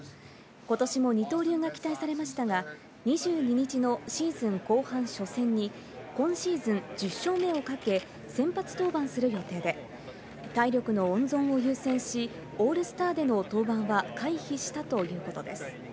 今年も二刀流が期待されましたが、２２日のシーズン後半初戦に今シーズン１０勝目をかけ先発登板する予定で、体力の温存を優先し、オールスターでの登板は回避したということです。